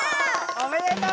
おめでとう！